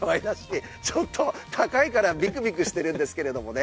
ちょっと高いからビクビクしてるんですけれどもね